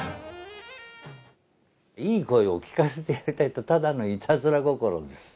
いい声を聞かせてやりたいと、ただのいたずら心です。